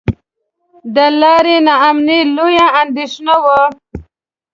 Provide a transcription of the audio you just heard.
د لارې نا امني لویه اندېښنه وه.